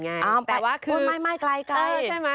แต่ว่าคือไม่ไกลใช่ไหม